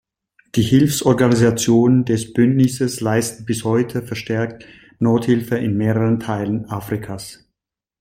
Die Hilfsorganisationen des Bündnisses leisten bis heute verstärkt Nothilfe in mehreren Teilen Afrikas.